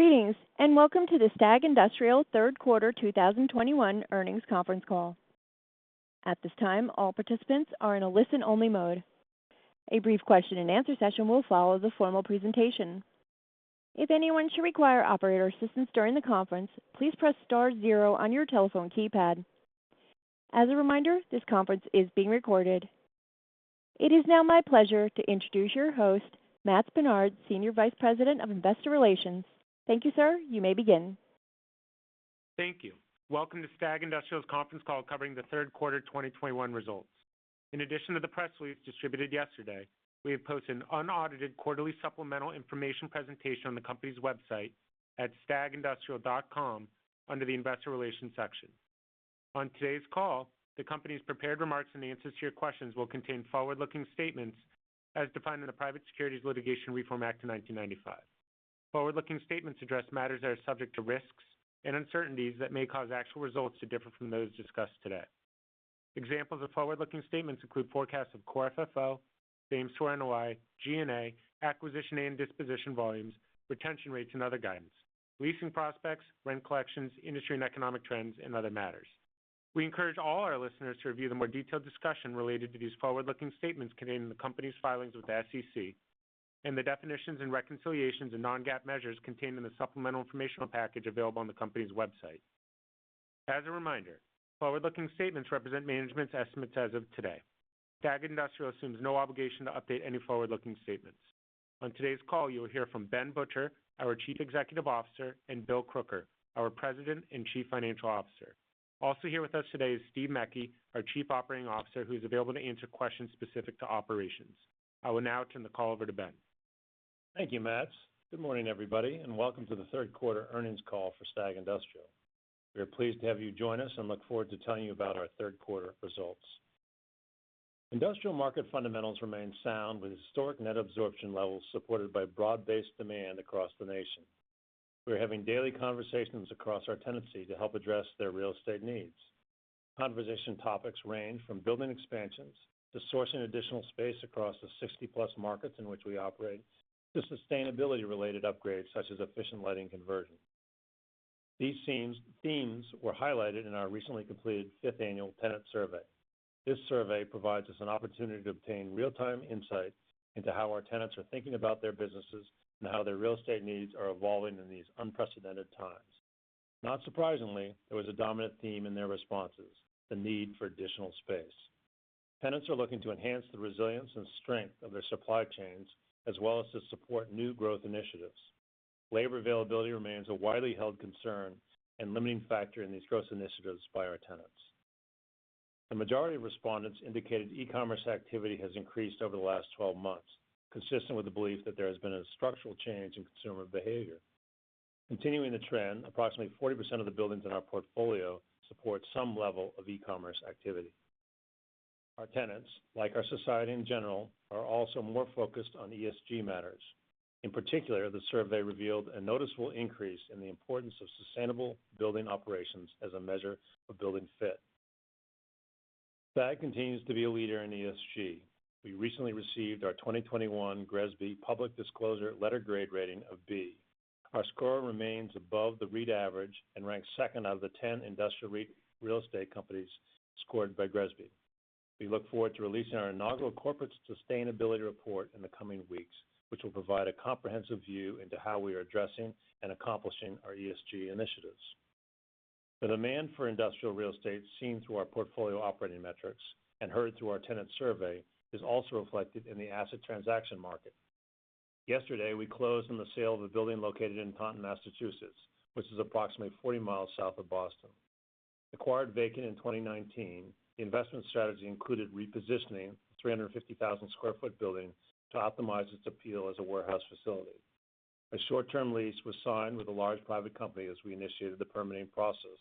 Greetings, and welcome to the STAG Industrial Third Quarter 2021 Earnings Conference Call. At this time, all participants are in a listen-only mode. A brief question and answer session will follow the formal presentation. If anyone should require operator assistance during the conference, please press star zero on your telephone keypad. As a reminder, this conference is being recorded. It is now my pleasure to introduce your host, Matts Pinard, Senior Vice President of Investor Relations. Thank you, sir. You may begin. Thank you. Welcome to STAG Industrial's Conference Call covering the Third Quarter 2021 Results. In addition to the press release distributed yesterday, we have posted an unaudited quarterly supplemental information presentation on the company's website at stagindustrial.com under the Investor Relations section. On today's call, the company's prepared remarks and answers to your questions will contain forward-looking statements as defined in the Private Securities Litigation Reform Act of 1995. Forward-looking statements address matters that are subject to risks and uncertainties that may cause actual results to differ from those discussed today. Examples of forward-looking statements include forecasts of Core FFO, Same-Store NOI, G&A, acquisition and disposition volumes, retention rates, and other guidance, leasing prospects, rent collections, industry and economic trends, and other matters. We encourage all our listeners to review the more detailed discussion related to these forward-looking statements contained in the company's filings with the SEC and the definitions and reconciliations and non-GAAP measures contained in the supplemental informational package available on the company's website. As a reminder, forward-looking statements represent management's estimates as of today. STAG Industrial assumes no obligation to update any forward-looking statements. On today's call, you will hear from Ben Butcher, our Chief Executive Officer, and Bill Crooker, our President and Chief Financial Officer. Also here with us today is Steve Kimball, our Chief Operating Officer, who is available to answer questions specific to operations. I will now turn the call over to Ben. Thank you, Matt. Good morning, everybody, and welcome to the third quarter earnings call for STAG Industrial. We are pleased to have you join us and look forward to telling you about our third quarter results. Industrial market fundamentals remain sound with historic net absorption levels supported by broad-based demand across the nation. We're having daily conversations across our tenancy to help address their real estate needs. Conversation topics range from building expansions to sourcing additional space across the 60-plus markets in which we operate to sustainability related upgrades such as efficient lighting conversion. These themes were highlighted in our recently completed fifth annual tenant survey. This survey provides us an opportunity to obtain real-time insights into how our tenants are thinking about their businesses and how their real estate needs are evolving in these unprecedented times. Not surprisingly, there was a dominant theme in their responses, the need for additional space. Tenants are looking to enhance the resilience and strength of their supply chains, as well as to support new growth initiatives. Labor availability remains a widely held concern and limiting factor in these growth initiatives by our tenants. The majority of respondents indicated e-commerce activity has increased over the last 12 months, consistent with the belief that there has been a structural change in consumer behavior. Continuing the trend, approximately 40% of the buildings in our portfolio support some level of e-commerce activity. Our tenants, like our society in general, are also more focused on ESG matters. In particular, the survey revealed a noticeable increase in the importance of sustainable building operations as a measure of building fit. STAG continues to be a leader in ESG. We recently received our 2021 GRESB public disclosure letter grade rating of B. Our score remains above the REIT average and ranks second out of the 10 industrial real estate companies scored by GRESB. We look forward to releasing our inaugural corporate sustainability report in the coming weeks, which will provide a comprehensive view into how we are addressing and accomplishing our ESG initiatives. The demand for industrial real estate seen through our portfolio operating metrics and heard through our tenant survey is also reflected in the asset transaction market. Yesterday, we closed on the sale of a building located in Taunton, Massachusetts, which is approximately 40 miles south of Boston. Acquired vacant in 2019, the investment strategy included repositioning a 350,000 sq ft building to optimize its appeal as a warehouse facility. A short-term lease was signed with a large private company as we initiated the permitting process.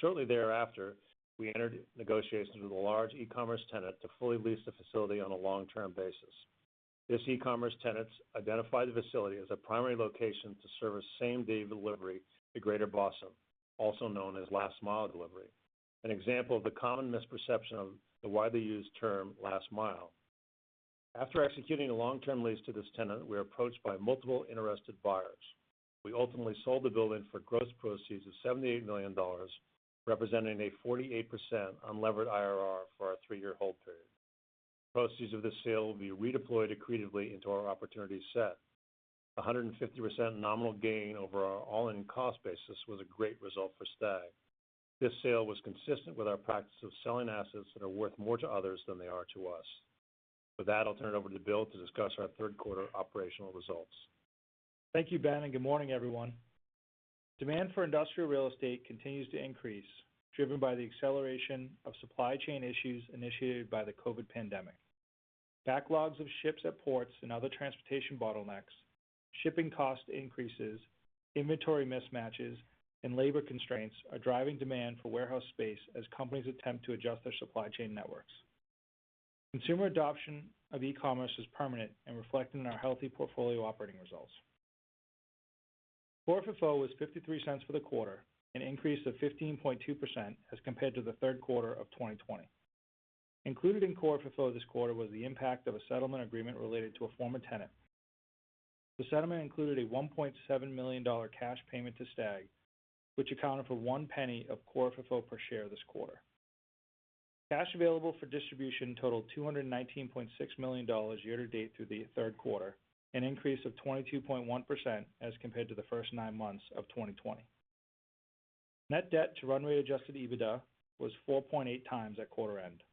Shortly thereafter, we entered negotiations with a large e-commerce tenant to fully lease the facility on a long-term basis. This e-commerce tenant identified the facility as a primary location to service same-day delivery to Greater Boston, also known as last mile delivery, an example of the common misperception of the widely used term last mile. After executing a long-term lease to this tenant, we were approached by multiple interested buyers. We ultimately sold the building for gross proceeds of $78 million, representing a 48% unlevered IRR for our three-year hold period. Proceeds of this sale will be redeployed accretively into our opportunity set. A 150% nominal gain over our all-in cost basis was a great result for STAG. This sale was consistent with our practice of selling assets that are worth more to others than they are to us. With that, I'll turn it over to Bill to discuss our third quarter operational results. Thank you, Ben, and good morning, everyone. Demand for industrial real estate continues to increase, driven by the acceleration of supply chain issues initiated by the COVID pandemic. Backlogs of ships at ports and other transportation bottlenecks, shipping cost increases, inventory mismatches, and labor constraints are driving demand for warehouse space as companies attempt to adjust their supply chain networks. Consumer adoption of e-commerce is permanent and reflected in our healthy portfolio operating results. Core FFO was $0.53 for the quarter, an increase of 15.2% as compared to the third quarter of 2020. Included in Core FFO this quarter was the impact of a settlement agreement related to a former tenant. The settlement included a $1.7 million cash payment to STAG, which accounted for $0.01 of Core FFO per share this quarter. Cash available for distribution totaled $219.6 million year to date through the third quarter, an increase of 22.1% as compared to the first nine months of 2020. Net debt to run-rate adjusted EBITDA was 4.8 times at quarter end.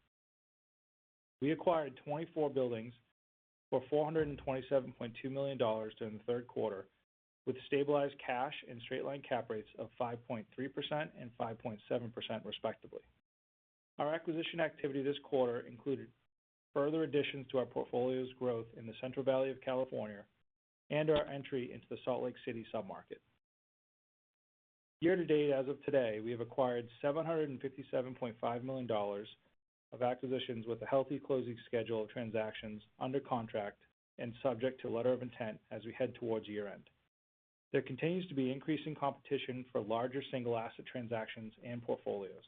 We acquired 24 buildings for $427.2 million during the third quarter, with stabilized cash and straight-line cap rates of 5.3% and 5.7% respectively. Our acquisition activity this quarter included further additions to our portfolio's growth in the Central Valley of California and our entry into the Salt Lake City sub-market. Year-to-date as of today, we have acquired $757.5 million of acquisitions with a healthy closing schedule of transactions under contract and subject to letter of intent as we head towards year-end. There continues to be increasing competition for larger single asset transactions and portfolios.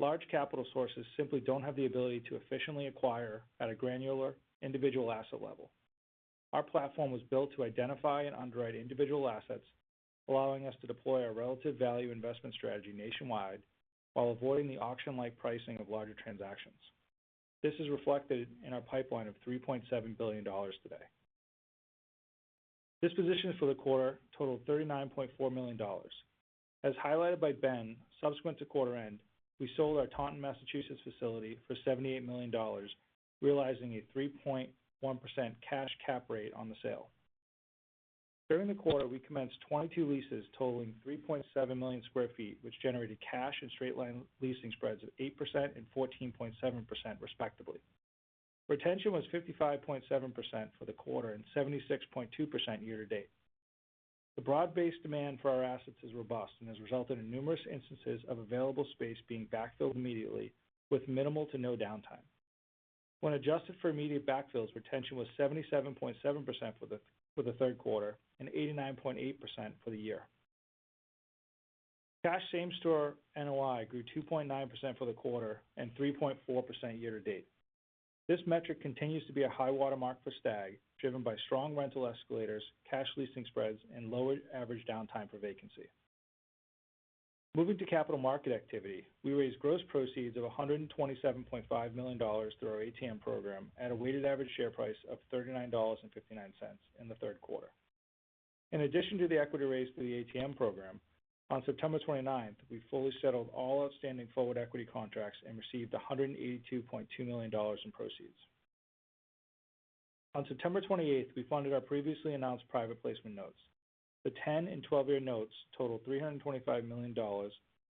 Large capital sources simply don't have the ability to efficiently acquire at a granular individual asset level. Our platform was built to identify and underwrite individual assets, allowing us to deploy our relative value investment strategy nationwide while avoiding the auction-like pricing of larger transactions. This is reflected in our pipeline of $3.7 billion today. Dispositions for the quarter totaled $39.4 million. As highlighted by Ben, subsequent to quarter end, we sold our Taunton, Massachusetts facility for $78 million, realizing a 3.1% cash cap rate on the sale. During the quarter, we commenced 22 leases totaling 3.7 million sq ft, which generated cash and straight line leasing spreads of 8% and 14.7% respectively. Retention was 55.7% for the quarter and 76.2% year to date. The broad-based demand for our assets is robust and has resulted in numerous instances of available space being backfilled immediately with minimal to no downtime. When adjusted for immediate backfills, retention was 77.7% for the third quarter and 89.8% for the year. Cash same-store NOI grew 2.9% for the quarter and 3.4% year to date. This metric continues to be a high watermark for STAG, driven by strong rental escalators, cash leasing spreads, and lower average downtime for vacancy. Moving to capital market activity, we raised gross proceeds of $127.5 million through our ATM program at a weighted average share price of $39.59 in the third quarter. In addition to the equity raise through the ATM program, on September 29th, we fully settled all outstanding forward equity contracts and received $182.2 million in proceeds. On September 28th, we funded our previously announced private placement notes. The 10- and 12-year notes totaled $325 million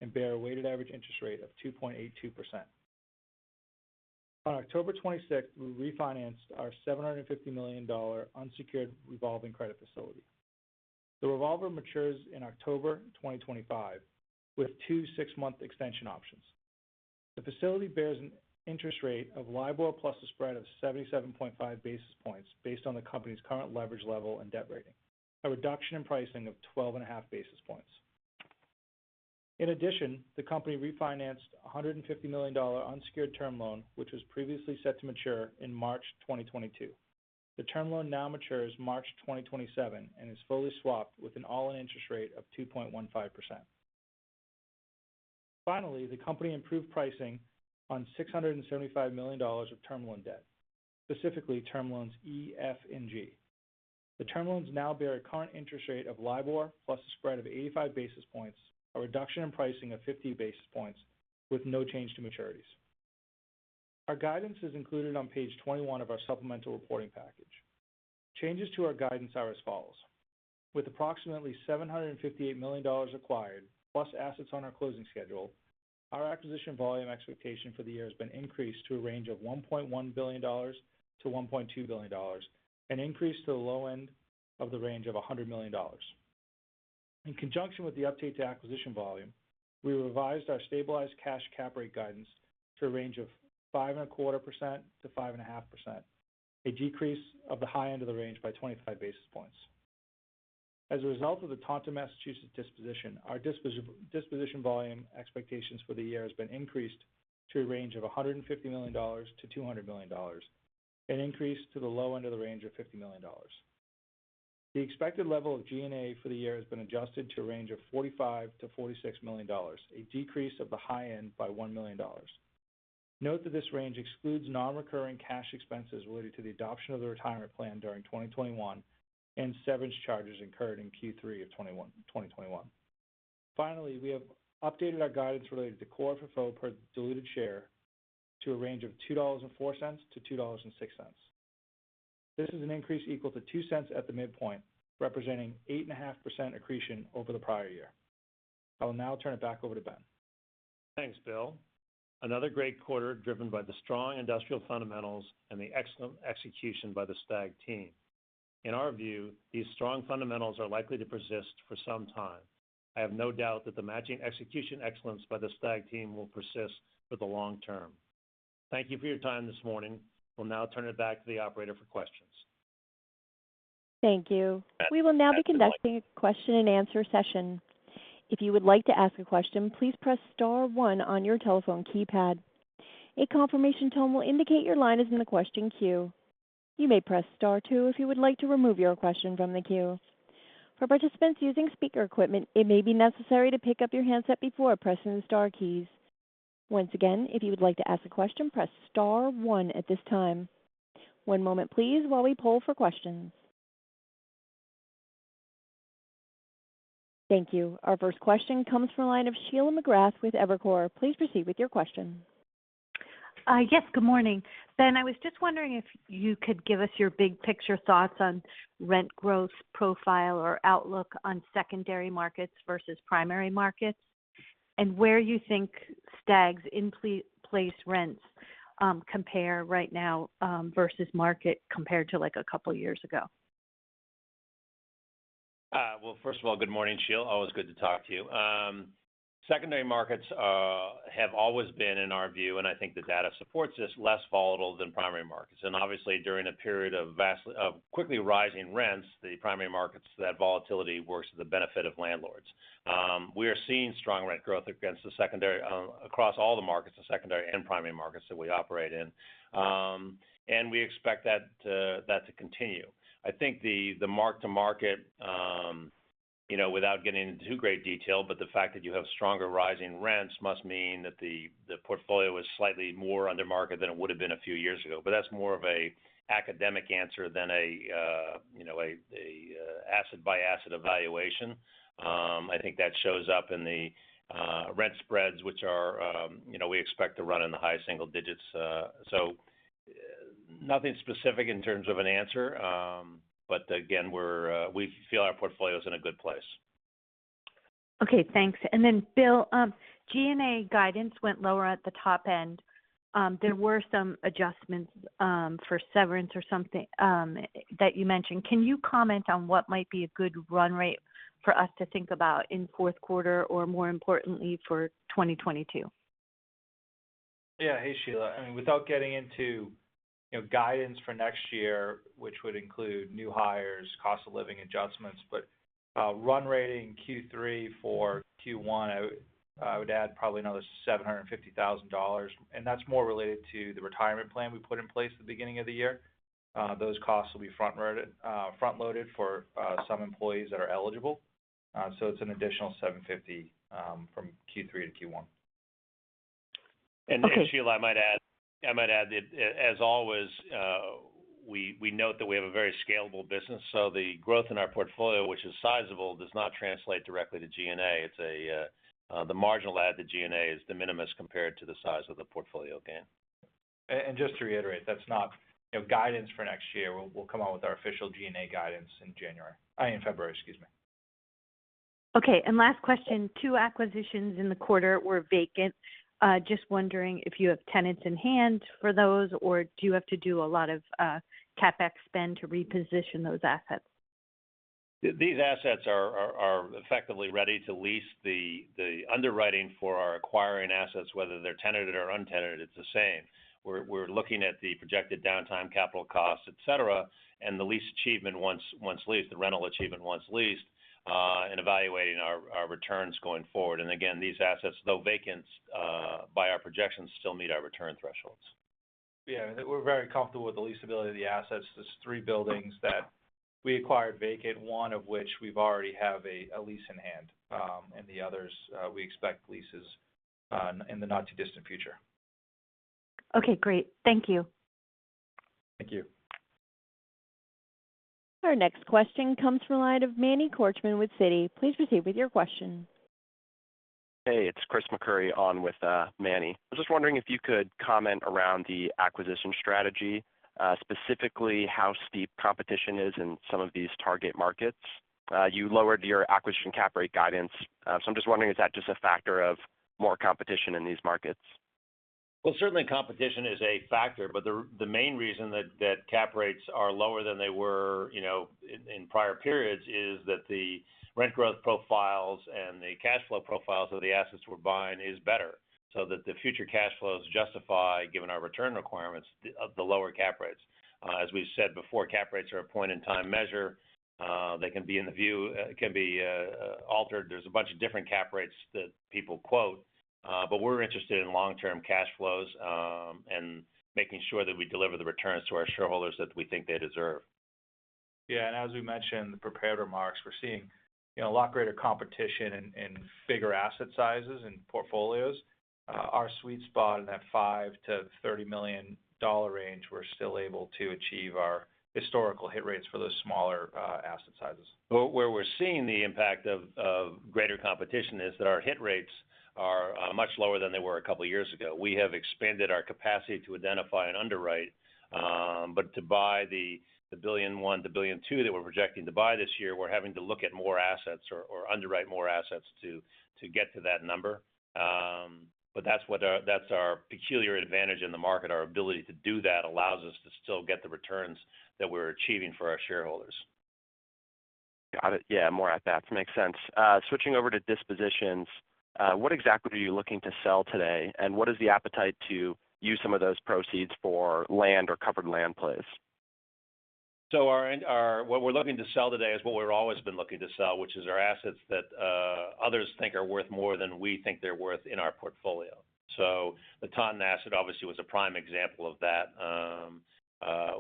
and bear a weighted average interest rate of 2.82%. On October 26th, we refinanced our $750 million unsecured revolving credit facility. The revolver matures in October 2025 with two two-month extension options. The facility bears an interest rate of LIBOR plus a spread of 77.5 basis points based on the company's current leverage level and debt rating, a reduction in pricing of 12.5 basis points. In addition, the company refinanced a $150 million unsecured term loan, which was previously set to mature in March 2022. The term loan now matures March 2027 and is fully swapped with an all-in interest rate of 2.15%. Finally, the company improved pricing on $675 million of term loan debt, specifically term loans E, F, and G. The term loans now bear a current interest rate of LIBOR plus a spread of 85 basis points, a reduction in pricing of 50 basis points with no change to maturities. Our guidance is included on page 21 of our supplemental reporting package. Changes to our guidance are as follows. With approximately $758 million acquired plus assets on our closing schedule, our acquisition volume expectation for the year has been increased to a range of $1.1 billion-$1.2 billion, an increase to the low end of the range of $100 million. In conjunction with the update to acquisition volume, we revised our stabilized cash cap rate guidance to a range of 5.25%-5.5%, a decrease of the high end of the range by 25 basis points. As a result of the Taunton, Massachusetts disposition, our disposition volume expectations for the year has been increased to a range of $150 million-$200 million, an increase to the low end of the range of $50 million. The expected level of G&A for the year has been adjusted to a range of $45 million-$46 million, a decrease of the high end by $1 million. Note that this range excludes non-recurring cash expenses related to the adoption of the retirement plan during 2021 and severance charges incurred in Q3 of 2021. Finally, we have updated our guidance related to Core FFO per diluted share to a range of $2.04-$2.06. This is an increase equal to $0.02 at the midpoint, representing 8.5% accretion over the prior year. I will now turn it back over to Ben. Thanks, Bill. Another great quarter driven by the strong industrial fundamentals and the excellent execution by the STAG team. In our view, these strong fundamentals are likely to persist for some time. I have no doubt that the matching execution excellence by the STAG team will persist for the long term. Thank you for your time this morning. We'll now turn it back to the operator for questions. Thank you. We will now be conducting a question-and-answer session. If you would like to ask a question, please press star one on your telephone keypad. A confirmation tone will indicate your line is in the question queue. You may press star two if you would like to remove your question from the queue. For participants using speaker equipment, it may be necessary to pick up your handset before pressing the star keys. Once again, if you would like to ask a question, press star one at this time. One moment please while we poll for questions. Thank you. Our first question comes from the line of Sheila McGrath with Evercore. Please proceed with your question. Yes, good morning. Ben, I was just wondering if you could give us your big picture thoughts on rent growth profile or outlook on secondary markets versus primary markets, and where you think STAG's place rents compare right now versus market compared to like a couple years ago. Well, first of all, good morning, Sheila. Always good to talk to you. Secondary markets have always been, in our view, and I think the data supports this, less volatile than primary markets. Obviously during a period of quickly rising rents, the primary markets, that volatility works to the benefit of landlords. We are seeing strong rent growth against the secondary across all the markets, the secondary and primary markets that we operate in. We expect that to continue. I think the mark-to-market you know, without getting into too great detail, but the fact that you have stronger rising rents must mean that the portfolio is slightly more under market than it would've been a few years ago. That's more of an academic answer than a you know, a asset-by-asset evaluation. I think that shows up in the rent spreads, which are, you know, we expect to run in the high single digits. Nothing specific in terms of an answer. Again, we feel our portfolio's in a good place. Okay, thanks. Bill, G&A guidance went lower at the top end. There were some adjustments for severance or something that you mentioned. Can you comment on what might be a good run rate for us to think about in fourth quarter or more importantly for 2022? Yeah. Hey, Sheila. I mean, without getting into, you know, guidance for next year, which would include new hires, cost of living adjustments, but run-rate Q3 for Q1, I would add probably another $750,000, and that's more related to the retirement plan we put in place at the beginning of the year. Those costs will be front-loaded for some employees that are eligible. So it's an additional $750,000 from Q3 to Q1. Okay. Sheila, I might add that as always, we note that we have a very scalable business, so the growth in our portfolio, which is sizable, does not translate directly to G&A. It's the marginal add to G&A is de minimis compared to the size of the portfolio gain. Just to reiterate, that's not, you know, guidance for next year. We'll come out with our official G&A guidance in January, in February, excuse me. Okay. Last question. Two acquisitions in the quarter were vacant. Just wondering if you have tenants in hand for those, or do you have to do a lot of CapEx spend to reposition those assets? These assets are effectively ready to lease. The underwriting for our acquiring assets, whether they're tenanted or untenanted, it's the same. We're looking at the projected downtime capital costs, et cetera, and the lease achievement once leased, the rental achievement once leased, and evaluating our returns going forward. Again, these assets, though vacant, by our projections, still meet our return thresholds. Yeah. We're very comfortable with the leasability of the assets. There's three buildings that we acquired vacant, one of which we've already have a lease in hand. The others, we expect leases in the not too distant future. Okay, great. Thank you. Thank you. Our next question comes from a line of Emmanuel Korchman with Citi. Please proceed with your question. Hey, it's Chris McCurry on with Manny Korchman. I was just wondering if you could comment around the acquisition strategy, specifically how steep competition is in some of these target markets. You lowered your acquisition cap rate guidance. I'm just wondering, is that just a factor of more competition in these markets? Well, certainly competition is a factor, but the main reason that cap rates are lower than they were in prior periods is that the rent growth profiles and the cash flow profiles of the assets we're buying is better, so that the future cash flows justify, given our return requirements, the lower cap rates. As we've said before, cap rates are a point-in-time measure. They can be altered. There's a bunch of different cap rates that people quote. We're interested in long-term cash flows and making sure that we deliver the returns to our shareholders that we think they deserve. Yeah. As we mentioned in the prepared remarks, we're seeing, you know, a lot greater competition in bigger asset sizes and portfolios. Our sweet spot in that $5 million-$30 million range, we're still able to achieve our historical hit rates for those smaller asset sizes. Where we're seeing the impact of greater competition is that our hit rates are much lower than they were a couple years ago. We have expanded our capacity to identify and underwrite, but to buy the $1 billion-$2 billion that we're projecting to buy this year, we're having to look at more assets or underwrite more assets to get to that number. But that's what our peculiar advantage in the market. Our ability to do that allows us to still get the returns that we're achieving for our shareholders. Got it. Yeah, more on that. Makes sense. Switching over to dispositions, what exactly are you looking to sell today, and what is the appetite to use some of those proceeds for land or covered land plays? What we're looking to sell today is what we've always been looking to sell, which is our assets that others think are worth more than we think they're worth in our portfolio. The Taunton asset obviously was a prime example of that.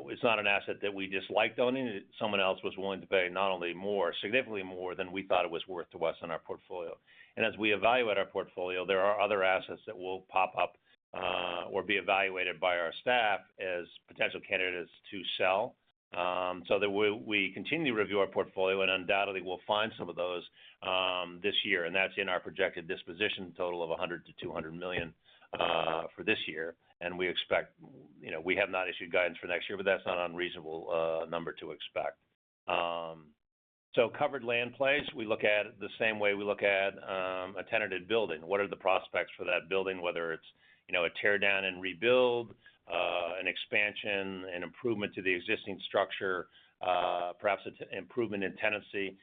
It's not an asset that we disliked owning. Someone else was willing to pay not only more, significantly more than we thought it was worth to us in our portfolio. As we evaluate our portfolio, there are other assets that will pop up or be evaluated by our staff as potential candidates to sell. That we continue to review our portfolio, and undoubtedly we'll find some of those this year, and that's in our projected disposition total of $100 million-$200 million for this year. We expect, you know, we have not issued guidance for next year, but that's not unreasonable number to expect. Covered land plays, we look at it the same way we look at a tenanted building. What are the prospects for that building, whether it's, you know, a tear down and rebuild, an expansion, an improvement to the existing structure, perhaps it's an improvement in tenancy,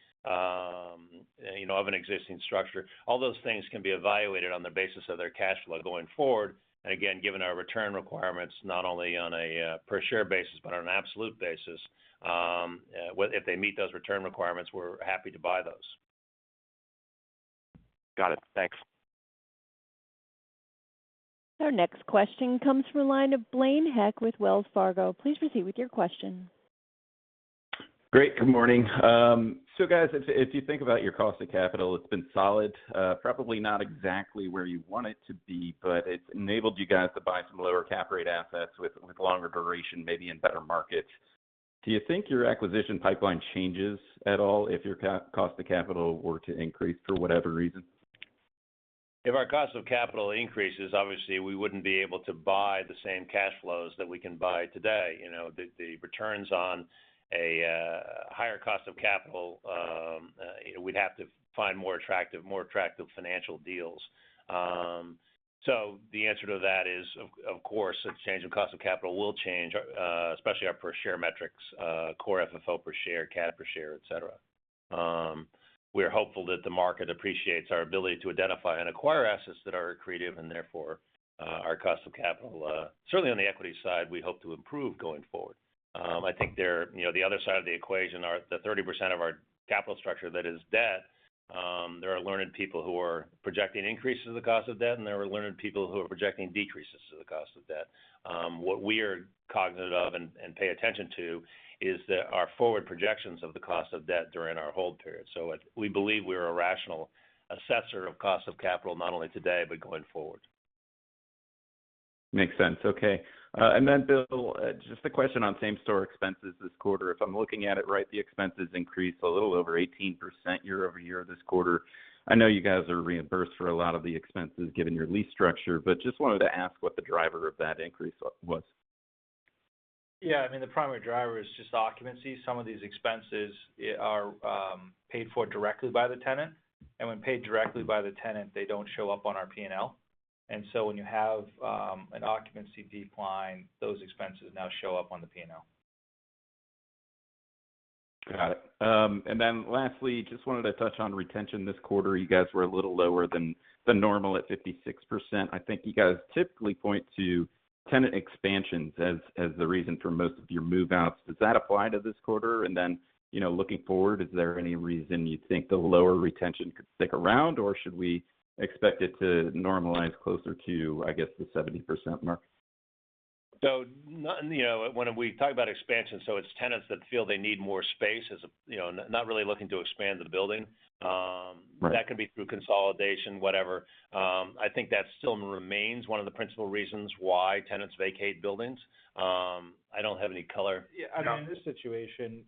you know, of an existing structure. All those things can be evaluated on the basis of their cash flow going forward. Again, given our return requirements, not only on a per share basis, but on an absolute basis, if they meet those return requirements, we're happy to buy those. Got it. Thanks. Our next question comes from the line of Blaine Heck with Wells Fargo. Please proceed with your question. Great, good morning. Guys, if you think about your cost of capital, it's been solid, probably not exactly where you want it to be, but it's enabled you guys to buy some lower cap rate assets with longer duration, maybe in better markets. Do you think your acquisition pipeline changes at all if your cost of capital were to increase for whatever reason? If our cost of capital increases, obviously we wouldn't be able to buy the same cash flows that we can buy today. You know, the returns on a higher cost of capital, you know, we'd have to find more attractive financial deals. The answer to that is, of course, a change in cost of capital will change, especially our per share metrics, Core FFO per share, AFFO per share, et cetera. We're hopeful that the market appreciates our ability to identify and acquire assets that are accretive, and therefore, our cost of capital, certainly on the equity side, we hope to improve going forward. I think, you know, the other side of the equation are the 30% of our capital structure that is debt. There are learned people who are projecting increases in the cost of debt, and there are learned people who are projecting decreases to the cost of debt. What we are cognitive of and pay attention to is that our forward projections of the cost of debt during our hold period. We believe we're a rational assessor of cost of capital not only today but going forward. Makes sense. Okay. Bill, just a question on same-store expenses this quarter. If I'm looking at it right, the expenses increased a little over 18% year-over-year this quarter. I know you guys are reimbursed for a lot of the expenses given your lease structure, but just wanted to ask what the driver of that increase was. Yeah, I mean, the primary driver is just occupancy. Some of these expenses are paid for directly by the tenant, and when paid directly by the tenant, they don't show up on our P&L. When you have an occupancy decline, those expenses now show up on the P&L. Got it. Lastly, just wanted to touch on retention this quarter. You guys were a little lower than normal at 56%. I think you guys typically point to tenant expansions as the reason for most of your move-outs. Does that apply to this quarter? You know, looking forward, is there any reason you think the lower retention could stick around, or should we expect it to normalize closer to, I guess, the 70% mark? nothing, you know, when we talk about expansion, it's tenants that feel they need more space, you know, not really looking to expand the building. Right. That can be through consolidation, whatever. I think that still remains one of the principal reasons why tenants vacate buildings. I don't have any color. Yeah, I mean, in this situation,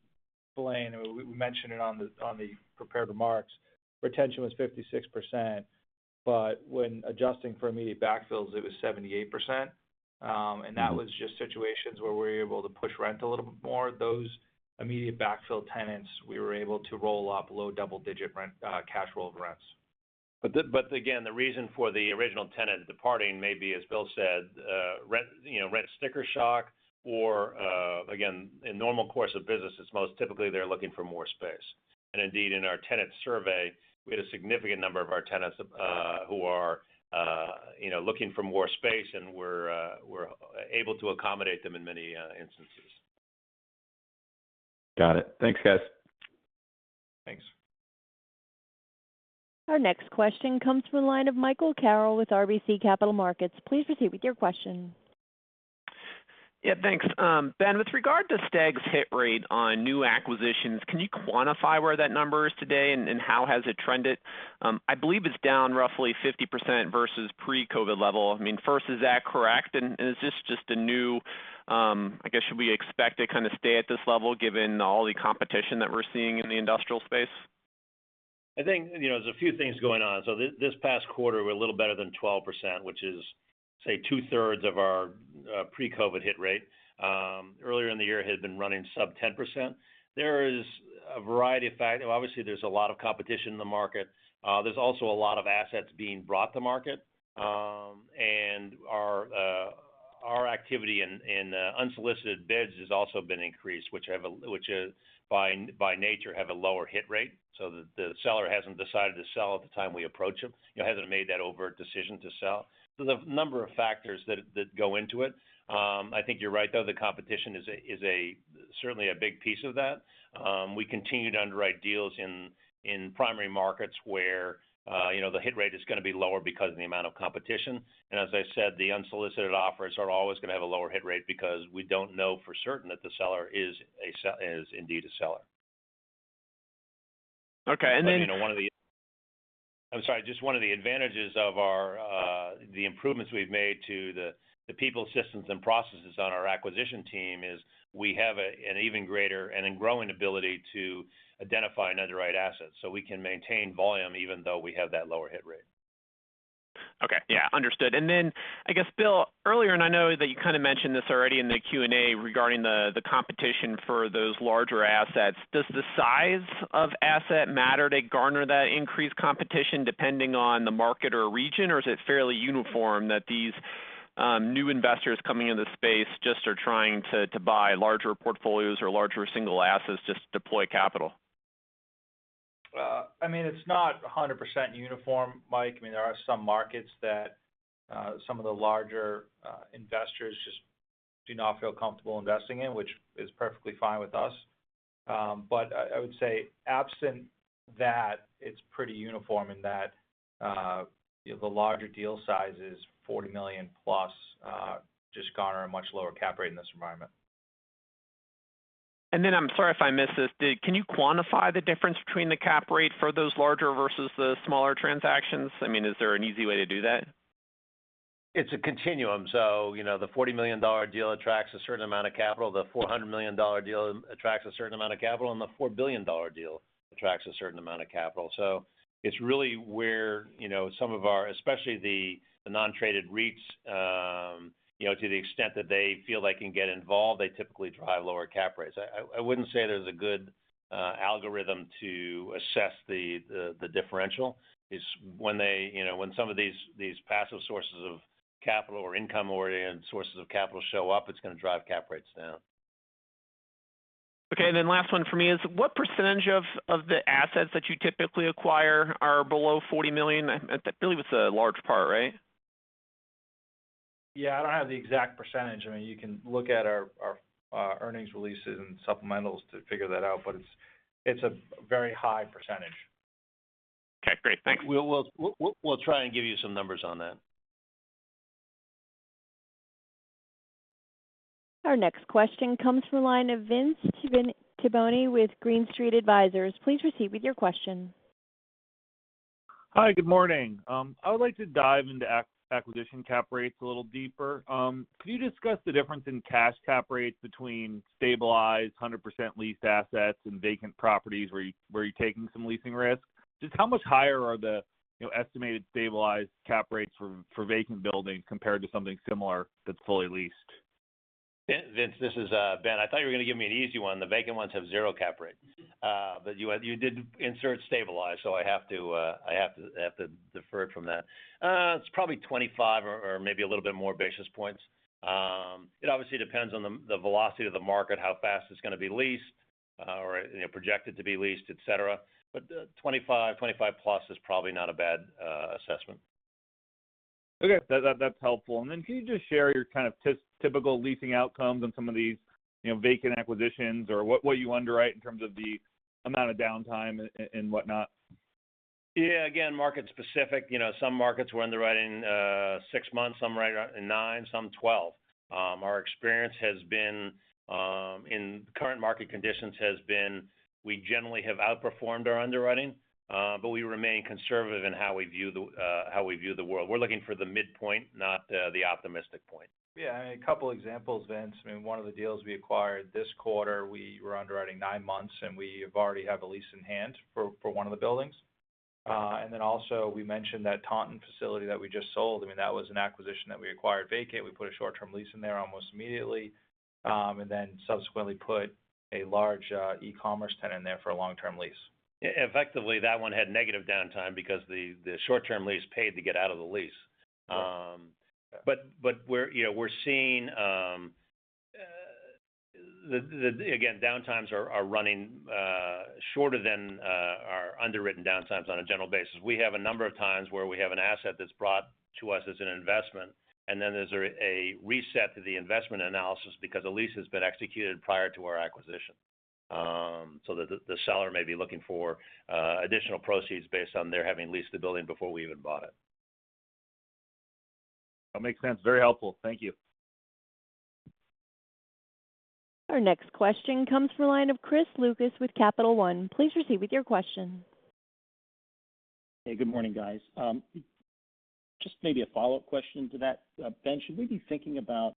Blaine, we mentioned it on the prepared remarks, retention was 56%, but when adjusting for immediate backfills, it was 78%. That was just situations where we're able to push rent a little bit more. Those immediate backfill tenants, we were able to roll up low double-digit rent cash over rents. again, the reason for the original tenant departing may be, as Bill said, rent, you know, rent sticker shock or, again, in normal course of business, it's most typically they're looking for more space. Indeed, in our tenant survey, we had a significant number of our tenants, who are, you know, looking for more space, and we're able to accommodate them in many instances. Got it. Thanks, guys. Thanks. Our next question comes from the line of Michael Carroll with RBC Capital Markets. Please proceed with your question. Yeah, thanks. Ben, with regard to STAG's hit rate on new acquisitions, can you quantify where that number is today and how has it trended? I believe it's down roughly 50% versus pre-COVID level. I mean, first is that correct? Is this just a new, I guess, should we expect it to kind of stay at this level given all the competition that we're seeing in the industrial space? I think, you know, there's a few things going on. This past quarter, we're a little better than 12%, which is say two-thirds of our pre-COVID hit rate. Earlier in the year had been running sub 10%. Obviously there's a lot of competition in the market. There's also a lot of assets being brought to market, and our activity in unsolicited bids has also been increased, which by nature have a lower hit rate, so the seller hasn't decided to sell at the time we approach them, you know, hasn't made that overt decision to sell. There's a number of factors that go into it. I think you're right, though, the competition is certainly a big piece of that. We continue to underwrite deals in primary markets where, you know, the hit rate is gonna be lower because of the amount of competition. As I said, the unsolicited offers are always gonna have a lower hit rate because we don't know for certain that the seller is indeed a seller. Okay. You know, just one of the advantages of our, the improvements we've made to the people, systems, and processes on our acquisition team is we have an even greater and a growing ability to identify and underwrite assets, so we can maintain volume even though we have that lower hit rate. Okay. Yeah, understood. I guess, Bill, earlier, and I know that you kinda mentioned this already in the Q&A regarding the competition for those larger assets, does the size of asset matter to garner that increased competition depending on the market or region, or is it fairly uniform that these new investors coming into the space just are trying to buy larger portfolios or larger single assets to deploy capital? I mean, it's not 100% uniform, Mike. I mean, there are some markets that, some of the larger investors just do not feel comfortable investing in, which is perfectly fine with us. I would say absent that, it's pretty uniform in that, the larger deal sizes, $40 million plus, just garner a much lower cap rate in this environment. I'm sorry if I missed this. Can you quantify the difference between the cap rate for those larger versus the smaller transactions? I mean, is there an easy way to do that? It's a continuum, so, you know, the $40 million deal attracts a certain amount of capital, the $400 million deal attracts a certain amount of capital, and the $4 billion deal attracts a certain amount of capital. It's really where, you know, some of our, especially the non-traded REITs, you know, to the extent that they feel they can get involved, they typically drive lower cap rates. I wouldn't say there's a good algorithm to assess the differential. It's when they, you know, when some of these passive sources of capital or income-oriented sources of capital show up, it's gonna drive cap rates down. Okay. Last one from me is, what percentage of the assets that you typically acquire are below $40 million? I believe it's a large part, right? Yeah, I don't have the exact percentage. I mean, you can look at our earnings releases and supplementals to figure that out, but it's a very high percentage. Okay, great. Thank you. We'll try and give you some numbers on that. Our next question comes from the line of Vince Tibone with Green Street. Please proceed with your question. Hi, good morning. I would like to dive into acquisition cap rates a little deeper. Can you discuss the difference in cash cap rates between stabilized 100% leased assets and vacant properties where you're taking some leasing risk? Just how much higher are the, you know, estimated stabilized cap rates for vacant buildings compared to something similar that's fully leased? Vince, this is Ben. I thought you were gonna give me an easy one. The vacant ones have zero cap rate. But you had. You did insert stabilized, so I have to differ from that. It's probably 25 or maybe a little bit more basis points. It obviously depends on the velocity of the market, how fast it's gonna be leased, or you know, projected to be leased, et cetera. 25 plus is probably not a bad assessment. Okay. That's helpful. Can you just share your kind of typical leasing outcomes on some of these, you know, vacant acquisitions, or what you underwrite in terms of the amount of downtime and whatnot? Yeah, again, market specific. You know, some markets we're underwriting 6 months, some right at nine, some 12. Our experience has been in current market conditions, we generally have outperformed our underwriting, but we remain conservative in how we view the world. We're looking for the midpoint, not the optimistic point. Yeah, I mean, a couple examples, Vince. I mean, one of the deals we acquired this quarter, we were underwriting nine months, and we already have a lease in hand for one of the buildings. Also we mentioned that Taunton facility that we just sold. I mean, that was an acquisition that we acquired vacant. We put a short-term lease in there almost immediately, and subsequently put a large e-commerce tenant in there for a long-term lease. Yeah, effectively, that one had negative downtime because the short-term lease paid to get out of the lease. You know, we're seeing, again, downtimes are running shorter than our underwritten downtimes on a general basis. We have a number of times where we have an asset that's brought to us as an investment, and then there's a reset to the investment analysis because a lease has been executed prior to our acquisition, so the seller may be looking for additional proceeds based on their having leased the building before we even bought it. That makes sense. Very helpful. Thank you. Our next question comes from the line of Chris Lucas with Capital One. Please proceed with your question. Hey, good morning, guys. Just maybe a follow-up question to that. Ben, should we be thinking about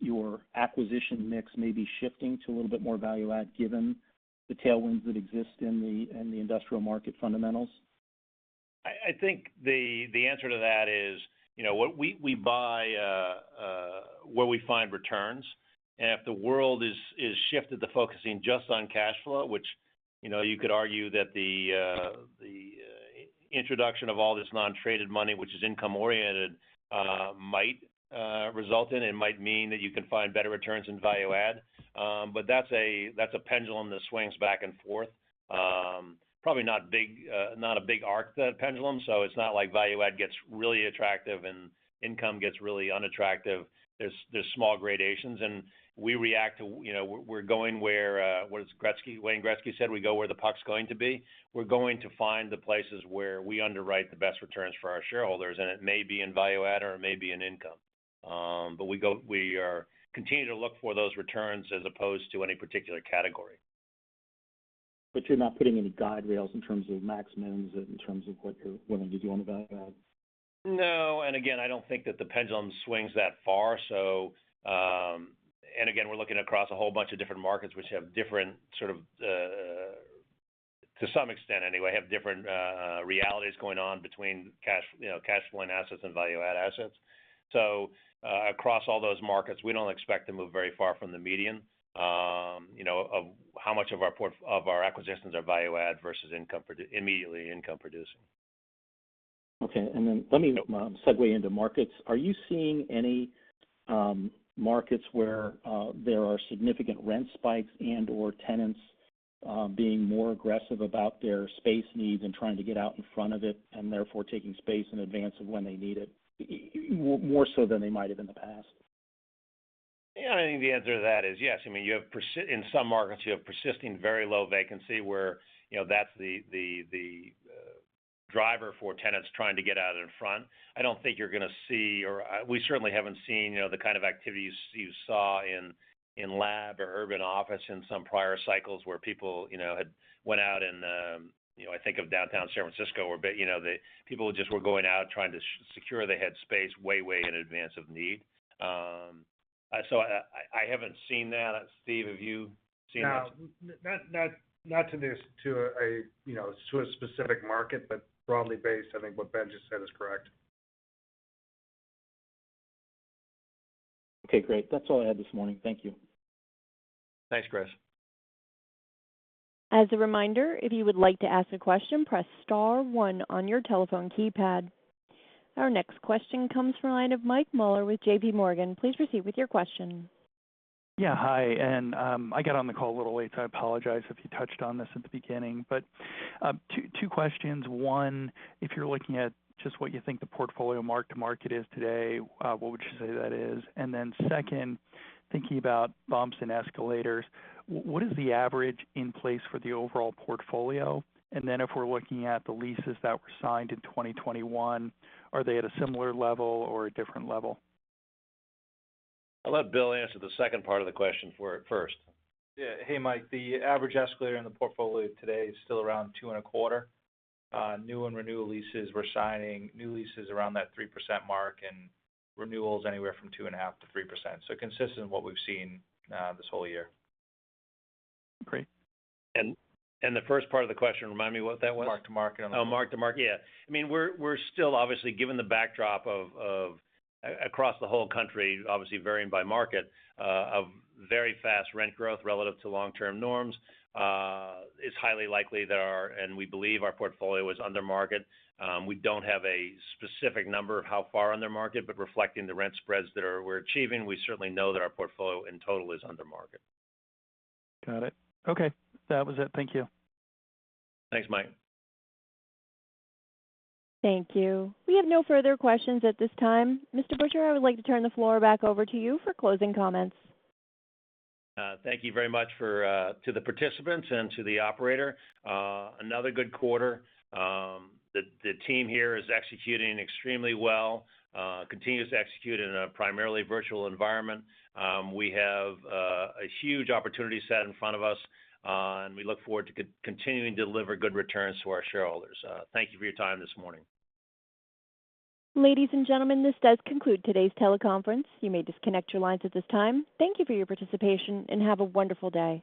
your acquisition mix maybe shifting to a little bit more value add given the tailwinds that exist in the industrial market fundamentals? I think the answer to that is, you know, what we buy, where we find returns. If the world has shifted to focusing just on cash flow, which, you know, you could argue that the introduction of all this non-traded money, which is income-oriented, might result in and might mean that you can find better returns in value add. But that's a pendulum that swings back and forth. Probably not a big arc, the pendulum, so it's not like value add gets really attractive and income gets really unattractive. There's small gradations, and we react to where, you know, we're going where what Wayne Gretzky said, "We go where the puck's going to be." We're going to find the places where we underwrite the best returns for our shareholders, and it may be in value add or it may be in income. We are continuing to look for those returns as opposed to any particular category. You're not putting any guide rails in terms of maximums, in terms of what you're willing to do on the value add? No, I don't think that the pendulum swings that far, so. We're looking across a whole bunch of different markets which have different sort of, to some extent anyway, have different realities going on between cash, you know, cash flowing assets and value add assets. Across all those markets, we don't expect to move very far from the median, you know, of how much of our acquisitions are value add versus immediately income producing. Okay, and then let me- Yeah Segue into markets. Are you seeing any markets where there are significant rent spikes and/or tenants being more aggressive about their space needs and trying to get out in front of it and therefore taking space in advance of when they need it more so than they might have in the past? Yeah, I think the answer to that is yes. I mean, you have persisting very low vacancy in some markets where, you know, that's the driver for tenants trying to get out in front. I don't think you're gonna see, we certainly haven't seen, you know, the kind of activities you saw in lab or urban office in some prior cycles where people, you know, had went out and, you know, I think of downtown San Francisco where, you know, the people just were going out trying to secure they had space way in advance of need. I haven't seen that. Steve, have you seen this? No, not to this, you know, to a specific market, but broadly based, I think what Ben just said is correct. Okay, great. That's all I had this morning. Thank you. Thanks, Chris. As a reminder, if you would like to ask a question, press star one on your telephone keypad. Our next question comes from the line of Michael Mueller with JPMorgan. Please proceed with your question. Yeah, hi. I got on the call a little late, so I apologize if you touched on this at the beginning. Two questions. One, if you're looking at just what you think the portfolio mark-to-market is today, what would you say that is? And then second, thinking about bumps and escalators, what is the average in place for the overall portfolio? And then if we're looking at the leases that were signed in 2021, are they at a similar level or a different level? I'll let Bill answer the second part of the question for it first. Yeah. Hey, Mike. The average escalator in the portfolio today is still around 2.25. New and renewal leases, we're signing new leases around that 3% mark and renewals anywhere from 2.5%-3%. Consistent with what we've seen this whole year. Great. The first part of the question, remind me what that was? mark-to-market. Oh, mark-to-market. Yeah. I mean, we're still obviously, given the backdrop of across the whole country, obviously varying by market, of very fast rent growth relative to long-term norms, is highly likely and we believe our portfolio is under market. We don't have a specific number of how far under market, but reflecting the rent spreads that we're achieving, we certainly know that our portfolio in total is under market. Got it. Okay. That was it. Thank you. Thanks, Mike. Thank you. We have no further questions at this time. Mr. Butcher, I would like to turn the floor back over to you for closing comments. Thank you very much to the participants and to the operator. Another good quarter. The team here is executing extremely well, continues to execute in a primarily virtual environment. We have a huge opportunity set in front of us, and we look forward to continuing to deliver good returns to our shareholders. Thank you for your time this morning. Ladies and gentlemen, this does conclude today's teleconference. You may disconnect your lines at this time. Thank you for your participation, and have a wonderful day.